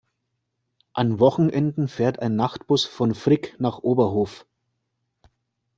An Wochenenden fährt ein Nachtbus von Frick nach Oberhof.